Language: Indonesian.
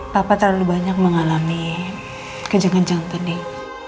papa terlalu banyak mengalami kejeng kejeng tadi